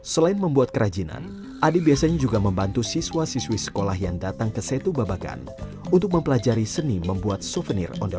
selain membuat kerajinan adi biasanya juga membantu siswa siswi sekolah yang datang ke setu babakan untuk mempelajari seni membuat souvenir ondel